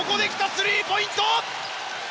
スリーポイント！